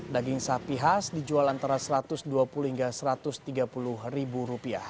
daging sapi khas dijual antara satu ratus dua puluh hingga satu ratus tiga puluh ribu rupiah